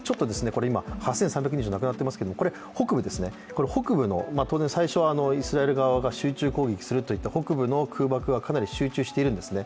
８３００人以上、亡くなっていますけどこれ北部ですね、最初はイスラエル側が集中攻撃をするといった北部の空爆はかなり集中しているんですね。